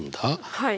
はい。